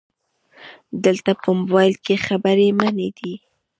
📵 دلته په مبایل کې خبري منع دي